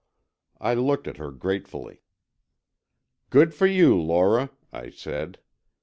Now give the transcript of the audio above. I looked at her gratefully. "Good for you, Lora," I said.